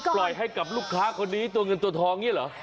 ปล่อยให้กับลูกค้าคนนี้ตัวเงินตัวทองอย่างนี้เหรอ